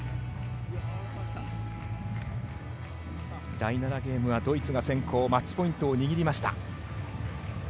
第７ゲームはドイツが先行マッチポイントを握りました。